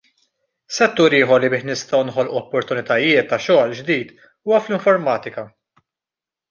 Settur ieħor li bih nistgħu noħolqu opportunitajiet ta' xogħol ġdid huwa fl-informatika.